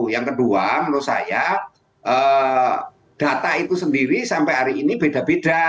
yang kedua menurut saya data itu sendiri sampai hari ini beda beda